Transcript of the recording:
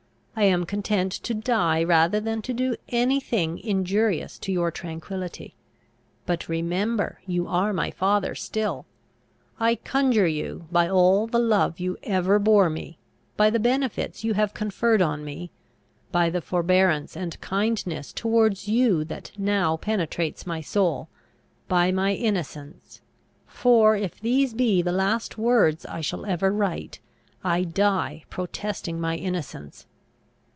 I am content to die rather than do any thing injurious to your tranquillity. But remember, you are my father still! I conjure you, by all the love you ever bore me, by the benefits you have conferred on me, by the forbearance and kindness towards you that now penetrates my soul, by my innocence for, if these be the last words I shall ever write, I die protesting my innocence!